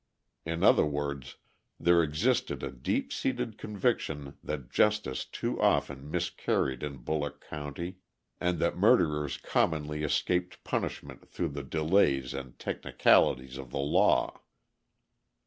In other words, there existed a deep seated conviction that justice too often miscarried in Bulloch County and that murderers commonly escaped punishment through the delays and technicalities of the law.